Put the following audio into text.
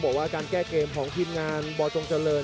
โอ้โหไม่พลาดกับธนาคมโด้แดงเขาสร้างแบบนี้